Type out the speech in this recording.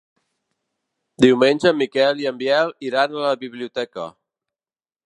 Diumenge en Miquel i en Biel iran a la biblioteca.